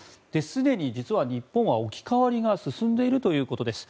すでに実は日本は置き換わりが進んでいるということです。